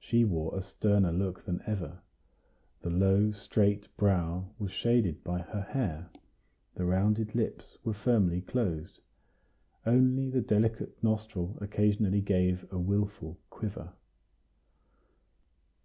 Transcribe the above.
She wore a sterner look than ever; the low, straight brow was shaded by her hair; the rounded lips were firmly closed; only the delicate nostril occasionally gave a wilful quiver.